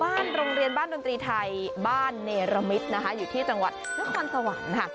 โรงเรียนบ้านดนตรีไทยบ้านเนรมิตนะคะอยู่ที่จังหวัดนครสวรรค์ค่ะ